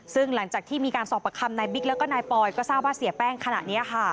ซึ่งหลังจากที่มีการสอบประคำนายบิ๊กแล้วก็นายปอยก็ทราบว่าเสียแป้งขณะนี้